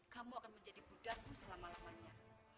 kamu akan menjadi buddhamu selama lamanya